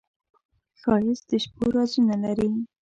ښایست د شپو رازونه لري